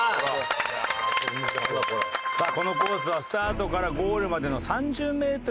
さあこのコースはスタートからゴールまでの３０メートル